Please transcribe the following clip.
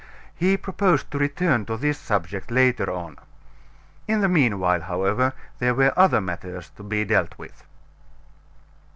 He proposed to return to this subject later on. In the mean while, however, there were other matters to be dealt with.